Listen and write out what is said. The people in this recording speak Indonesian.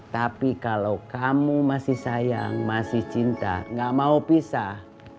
tapi kalau kamu masih sayang masih cinta gak mau pisah